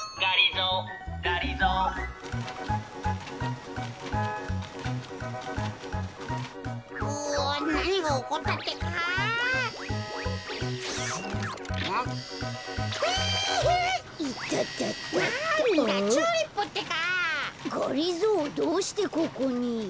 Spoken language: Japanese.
がりぞーどうしてここに？